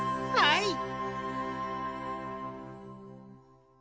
はい！